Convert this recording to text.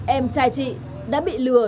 em trai chị đã bị lừa